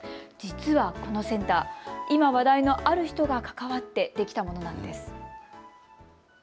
実はこのセンター、今、話題のある人が関わってできたものなんです。